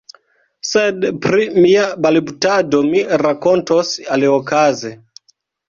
Sed pri mia balbutado mi rakontos aliokaze.